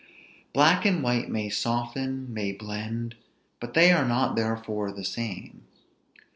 Black and white may soften, may blend; but they are not therefore the same.